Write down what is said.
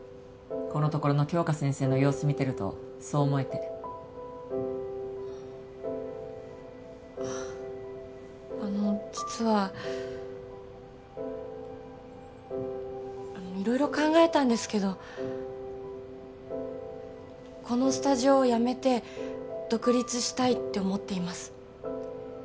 このところの杏花先生の様子見てるとそう思えてあの実は色々考えたんですけどこのスタジオを辞めて独立したいって思っています